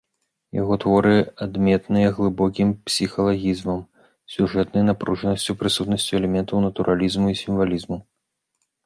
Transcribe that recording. Яго творы адметныя глыбокім псіхалагізмам, сюжэтнай напружанасцю, прысутнасцю элементаў натуралізму і сімвалізму.